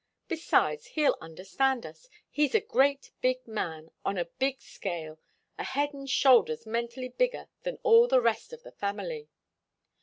Besides, he'll understand us. He's a great big man, on a big scale, a head and shoulders mentally bigger than all the rest of the family."